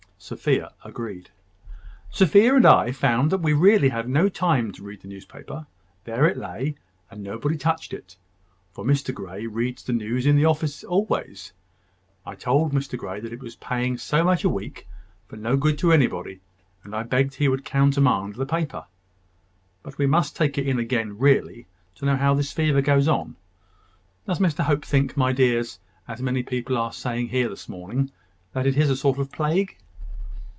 Sophia agreed. "Sophia and I found that we really had no time to read the newspaper. There it lay, and nobody touched it; for Mr Grey reads the news in the office always. I told Mr Grey it was just paying so much a week for no good to anybody, and I begged he would countermand the paper. But we must take it in again, really, to know how this fever goes on. Does Mr Hope think, my dears, as many people are saying here this morning, that it is a sort of plague?"